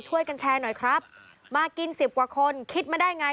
ช่วยกันแชร์หน่อยครับมากินสิบกว่าคนคิดมาได้ไง